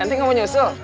nanti gak mau nyusul